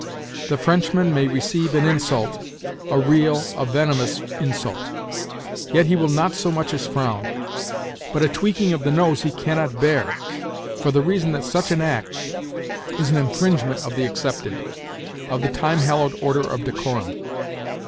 The Frenchman may receive an insult—a real, a venomous insult: yet, he will not so much as frown. But a tweaking of the nose he cannot bear, for the reason that such an act is an infringement of the accepted, of the time hallowed order of decorum.